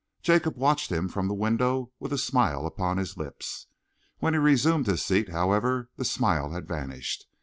Jacob watched him from the window with a smile upon his lips. When he resumed his seat, however, the smile had vanished.